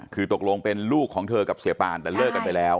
คือตกลงเป็นลูกของเธอกับเสียปานแต่เลิกกันไปแล้ว